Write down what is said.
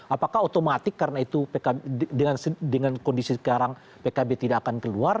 apakah otomatis karena itu pkb dengan kondisi sekarang pkb tidak akan keluar